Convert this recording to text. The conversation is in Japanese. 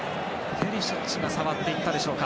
ペリシッチが触っていったでしょうか。